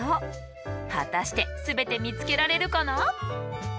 果たして全て見つけられるかな？